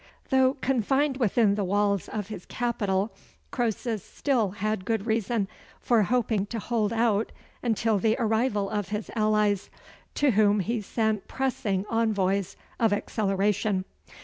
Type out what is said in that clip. Though confined within the walls of his capital, Croesus had still good reason for hoping to hold out until the arrival of his allies, to whom he sent pressing envoys of acceleration.